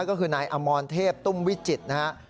ก็คือนายอมรเทพตุ้มวิจิตรนะครับ